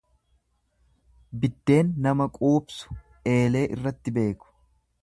Biddeen nama quubsu eelee irratti beeku.